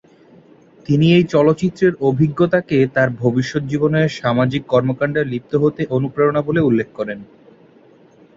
তিনি এই চলচ্চিত্রের অভিজ্ঞতাকে তার ভবিষ্যৎ জীবনে সামাজিক কর্মকাণ্ডে লিপ্ত হতে অনুপ্রেরণা বলে উল্লেখ করেন।